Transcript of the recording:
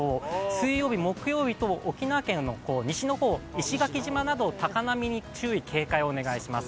水曜日、木曜日と沖縄県の西の方、石垣島など高波に注意・警戒をお願いします。